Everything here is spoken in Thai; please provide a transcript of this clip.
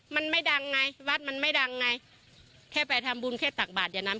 มันไม่ดังไงวัดมันไม่ดังไงแค่ไปทำบุญแค่ตักบาทอย่านะ